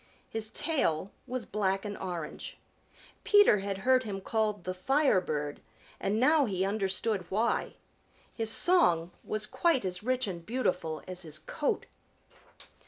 His tail was black and orange. Peter had heard him called the Firebird, and now he understood why. His song was quite as rich and beautiful as his coat.